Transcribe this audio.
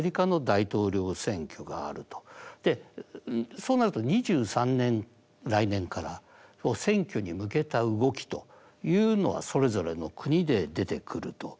そうなると２３年来年から選挙に向けた動きというのがそれぞれの国で出てくると。